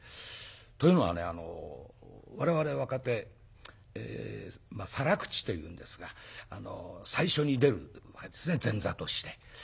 というのはね我々若手サラ口というんですが最初に出るわけですね前座として。